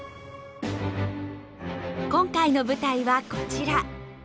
今回の舞台はこちら。